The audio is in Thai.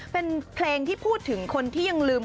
เป็นเพลงที่พูดถึงคนที่ยังลืม